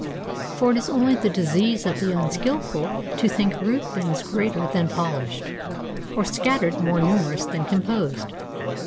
For it is only the disease of the unskilful, to think rude things greater than polished; or scattered more numerous than composed.